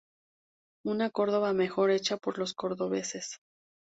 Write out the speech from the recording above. Una Córdoba mejor hecha por los cordobeses.